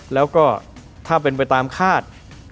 แล้วก็ถ้าเป็นไปตามคาด